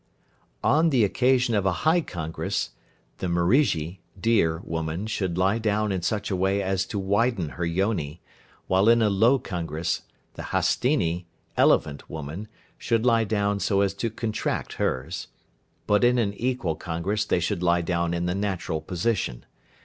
On the occasion of a "high congress" the Mrigi (Deer) woman should lie down in such a way as to widen her yoni, while in a "low congress" the Hastini (Elephant) woman should lie down so as to contract hers. But in an "equal congress" they should lie down in the natural position.